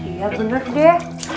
iya bener deh